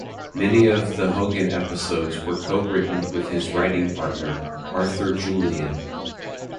Many of the Hogan episodes were co-written with his writing partner, Arthur Julian.